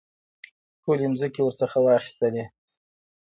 ټولې مځکې ورڅخه واخیستلې.